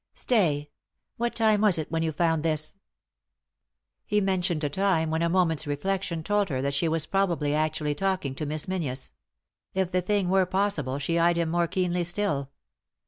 " Stay I What time was it when you found this ?" He mentioned a time when a moment's reflection told her that she was probably actually talking to Miss Menzies. If the thing were possible she eyed him more keenly still.